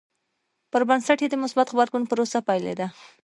پر بنسټ یې د مثبت غبرګون پروسه پیلېده.